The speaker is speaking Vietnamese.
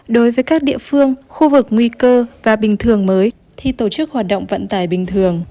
đối với các địa phương khu vực nguy cơ và bình thường mới thì tổ chức hoạt động vận tải bình thường